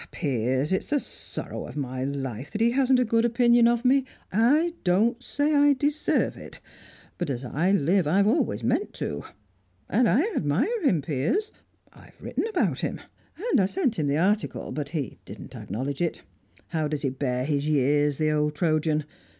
"Piers, it's the sorrow of my life that he hasn't a good opinion of me. I don't say I deserve it, but, as I live, I've always meant to. And I admire him, Piers. I've written about him; and I sent him the article, but he didn't acknowledge it. How does he bear his years, the old Trojan?